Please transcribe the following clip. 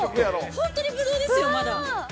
◆本当にぶどうですよ、まだ。